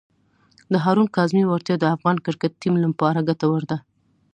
د هارون کاظمي وړتیا د افغان کرکټ ټیم لپاره ګټوره ده.